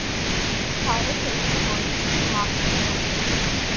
سارے فرضی اور جھوٹے معبود ہیں